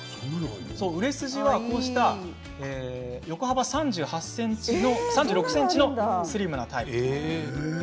売れ筋はこうした横幅３６ｃｍのスリムなタイプです。